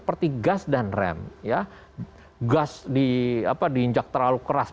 rem gas diinjak terlalu keras